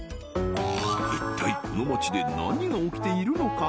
一体この街で何が起きているのか？